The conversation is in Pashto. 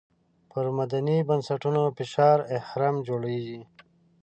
پر مدني بنسټونو فشاري اهرم جوړېږي.